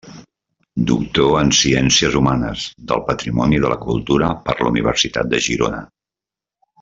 Doctor en Ciències Humanes, del Patrimoni i de la Cultura per la Universitat de Girona.